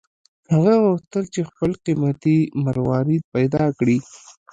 هغه غوښتل چې خپل قیمتي مروارید پیدا کړي.